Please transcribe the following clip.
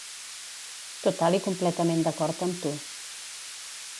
Total i completament d'acord amb tu.